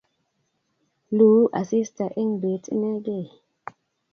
Luu asista eng bet inegei